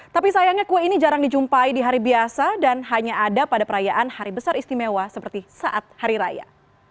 tapi sayangnya kue ini jarang dijumpai di hari biasa dan hanya ada pada perayaan hari besar istimewa seperti saat hari raya